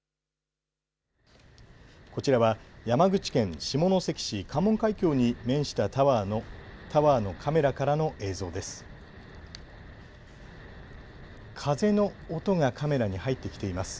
こちらは山口県下関市関門海峡に面したタワーのカメラからの映像です。